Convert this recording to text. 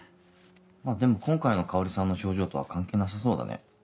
まぁでも今回の香織さんの症状とは関係なさそうだね。